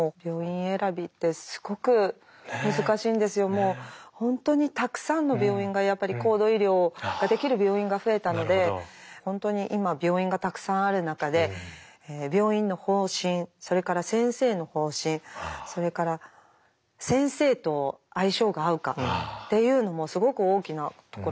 もう本当にたくさんの病院がやっぱり高度医療ができる病院が増えたので本当に今病院がたくさんある中で病院の方針それから先生の方針それから先生と相性が合うかっていうのもすごく大きなところだと思うんですね。